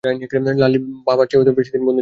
লালির বাবার চেয়েও বেশিদিন বন্দী ছিলে?